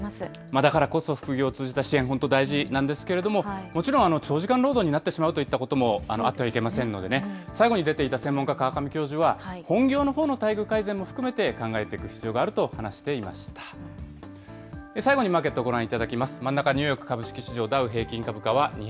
だからこそ、副業を通じた支援、本当大事なんですけれども、もちろん長時間労働になってしまうといったこともあってはいけませんのでね、最後に出ていた専門家、川上教授は、本業のほうの待遇改善も含めて考えていく必要があると話していました。